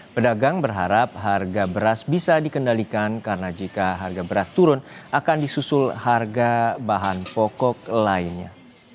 pedagang berharap harga beras bisa dikendalikan karena jika harga beras turun akan disusul harga bahan pokok lainnya